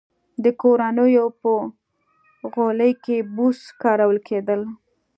د کورونو په غولي کې بوس کارول کېدل.